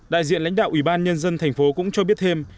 đại diện lãnh đạo ủy ban nhân dân tp hcm cũng cho biết thêm